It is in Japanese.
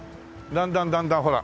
だんだんだんだんほら。